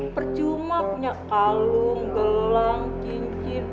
percuma punya kalung gelang kincir